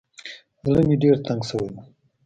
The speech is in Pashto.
زړه مې ډېر تنګ سوى و.